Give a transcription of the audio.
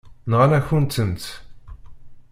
Nɣan-akent-tent.